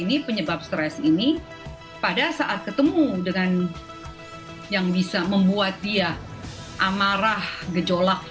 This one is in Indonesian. ini penyebab stres ini pada saat ketemu dengan yang bisa membuat dia amarah gejolak